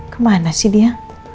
kemana sih dia